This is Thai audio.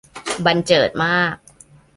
บรรเจิดมาก